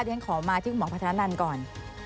เรียนขอมาที่คุณหมอพัทธานันต์ก่อน